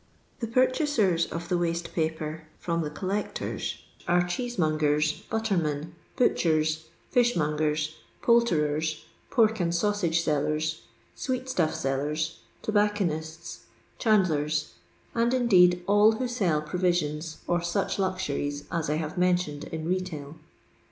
Tlie purchasers of the waste paper from the collectors are cheesemongers, buttermen, butchers, fishmongers, poulterers, pork and aausage iellers, sweet stulT sellers, tobacconists, chandlen — and indeed all who sell provisions or such luxuries as I have mentioned in retail.